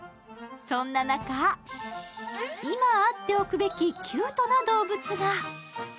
そんな中、今、会っておくべきキュートな動物が！